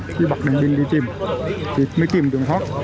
cứ bắt đồng minh đi tìm thì mới tìm tường thoát